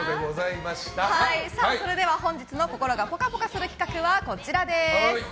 それでは本日の、心がぽかぽかする企画はこちらです。